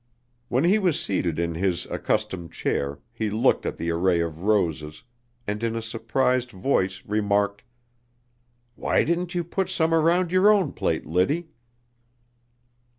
When he was seated in his accustomed chair he looked at the array of roses, and in a surprised voice remarked: "Why didn't you put some around your own plate, Liddy?"